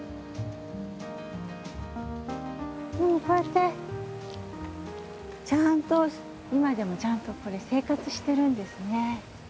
こうやってちゃんと今でもちゃんとここで生活してるんですね。